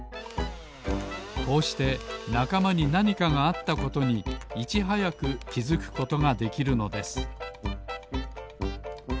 こうしてなかまになにかがあったことにいちはやくきづくことができるのです